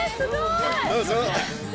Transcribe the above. どうぞ。